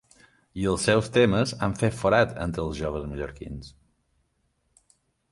I els seus temes han fet forat entre els joves mallorquins.